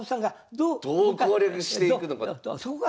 どう攻略していくのか。